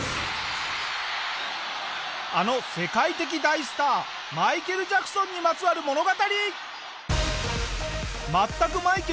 あの世界的大スターマイケル・ジャクソンにまつわる物語！